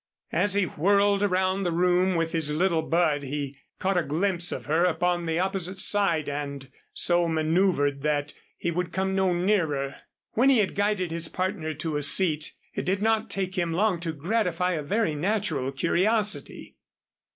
As he whirled around the room with his little bud, he caught a glimpse of her upon the opposite side and so maneuvered that he would come no nearer. When he had guided his partner to a seat, it did not take him long to gratify a very natural curiosity.